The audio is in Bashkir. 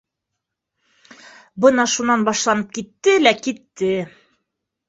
Бына шунан башланып китте лә китте.